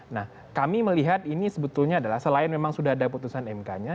nah kami melihat ini sebetulnya adalah selain memang sudah ada putusan mk nya